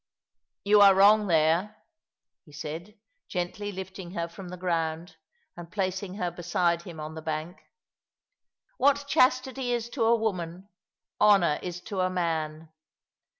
"You are wrong there," he said, gently lifting her from the ground, and placing her beside him on the bank. " What chastity is to a woman, honour is to a man.